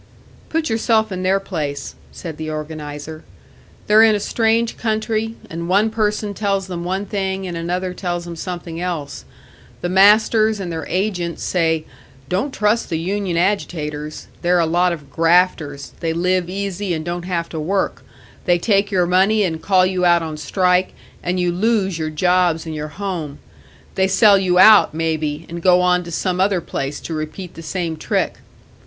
"Put yourself in their place," said the organiser. "They're in a strange country, and one person tells them one thing, and another tells them something else. The masters and their agents say: 'Don't trust the union agitators. They're a lot of grafters, they live easy and don't have to work. They take your money and call you out on strike, and you lose your jobs and your home; they sell you out, maybe, and go on to some other place to repeat the same trick.'